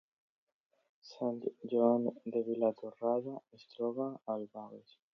Sant Joan de Vilatorrada es troba al Bages